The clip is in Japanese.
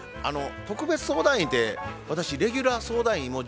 あの特別相談員て私レギュラー相談員